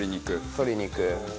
鶏肉。